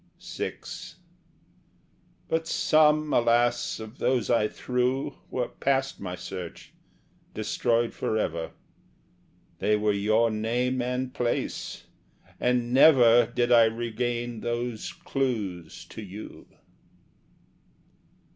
VI But some, alas, of those I threw Were past my search, destroyed for ever: They were your name and place; and never Did I regain those clues to you.